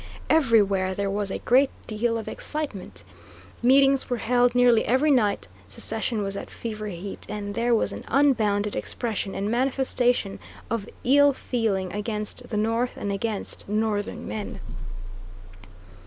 Everywhere there was a great deal of excitement; meetings were held nearly every night secession was at fever heat, and there was an unbounded expression and manifestation of ill feeling against the north and against northern men.